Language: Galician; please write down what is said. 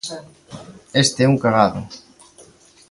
_Este é un cagado.